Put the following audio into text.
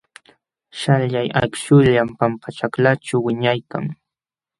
Śhalyaq akśhullam pampaćhaklaaćhu wiñaykan.